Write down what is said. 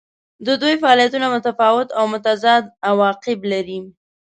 د دوی فعالیتونه متفاوت او متضاد عواقب لري.